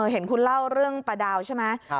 เห็นคุณเล่าเรื่องปลาดาวใช่ไหม